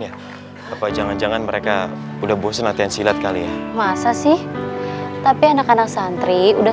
ya apa jangan jangan mereka udah bosan latihan silat kali ya masa sih tapi anak anak santri udah